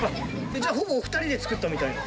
じゃあほぼお二人で作ったみたいな。